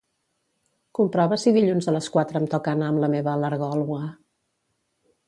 Comprova si dilluns a les quatre em toca anar amb la meva al·lergòloga.